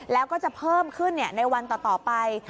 แล้วก็จะเพิ่มขึ้นในวันต่อไป